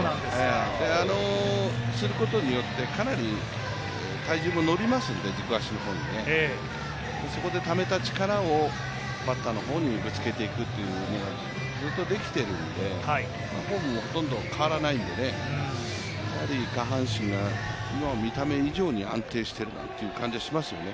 あれをすることによって、かなり体重も軸足の方に伸びますのでそこでためた力をバッターの方にぶつけていくというのがずっとできているので、フォームもほとんど変わらないので、やはり下半身が見た目以上に安定しているなという感じはしますよね。